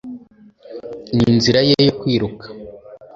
ninzira ye yo kwiruka